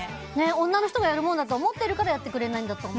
女の人がやるものだと思ってるからやってくれないんだと思う。